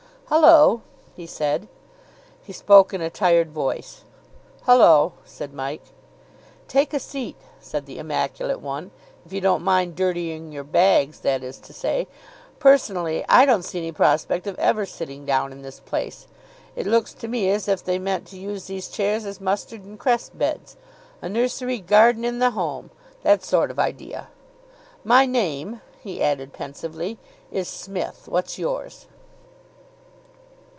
"Hullo," he said. He spoke in a tired voice. "Hullo," said Mike. "Take a seat," said the immaculate one. "If you don't mind dirtying your bags, that's to say. Personally, I don't see any prospect of ever sitting down in this place. It looks to me as if they meant to use these chairs as mustard and cress beds. A Nursery Garden in the Home. That sort of idea. My name," he added pensively, "is Smith. What's yours?"